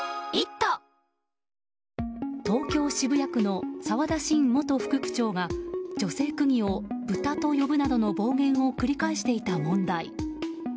東京・渋谷区の澤田伸元副区長が女性区議をブタと呼ぶなどの暴言を繰り返していた問題。